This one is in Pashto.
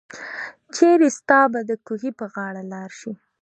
چيري ستاه به دکوهي په غاړه لار شي